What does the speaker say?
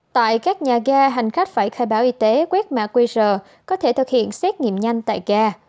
tại các nhà ga hành khách phải khai báo y tế quét mạc quê rờ có thể thực hiện xét nghiệm nhanh tại ga